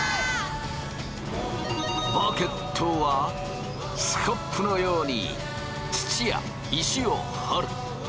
バケットはスコップのように土や石をほる。